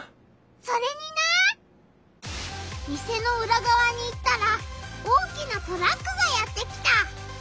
それにな店のうらがわに行ったら大きなトラックがやって来た！